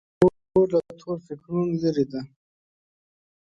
خور له تور فکرونو لیرې ده.